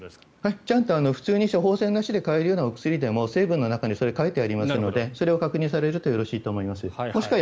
ちゃんと処方せんなしでも買えるようなお薬でも成分の中に書いてありますのでそれを確認されるとよろしいと思います。